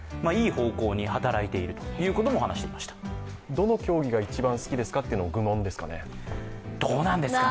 どの競技が一番好きですかってのも愚問ですかね。